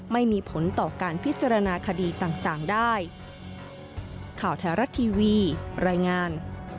ไม่มีผลต่อการพิจารณาคดีต่างได้